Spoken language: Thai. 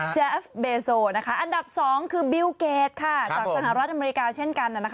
แอฟเบโซอันดับ๒คือบิลเกดจากสหรัฐอเมริกาเช่นกัน